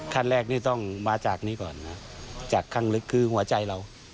ขั้นแรกนี่ต้องมาจากนี้ก่อนนะจากข้างลึกคือหัวใจเรา